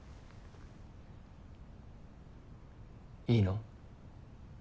いいの？